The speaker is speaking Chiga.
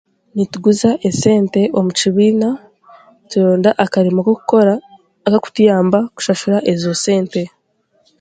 Nituguza esente omu kibiina turonda akarimo k'okukora akakutuyamba kushashura eza sente.